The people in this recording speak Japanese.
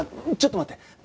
ちょっと待って！